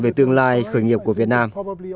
về tương lai khởi nghiệp của việt nam